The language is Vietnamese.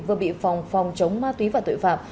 vừa bị phòng phòng chống ma túy và tội phạm